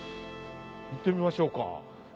行ってみましょうか。